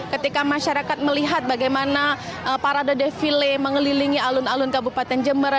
ketika masyarakat melihat bagaimana para dede file mengelilingi alun alun kabupaten jember